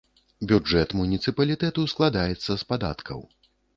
Бюджэт муніцыпалітэту складаецца з падаткаў.